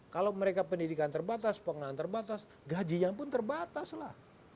kalau mereka pendidikan terbatas pengalaman terbatas gajinya pun terbatas lah